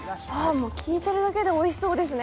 聞いているだけでおいしそうですね。